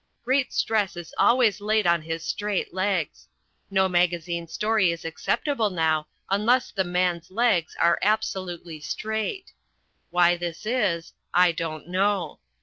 Great stress is always laid on his straight legs. No magazine story is acceptable now unless The Man's legs are absolutely straight. Why this is, I don't know.